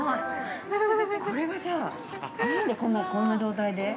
◆これは、何でこんな状態で？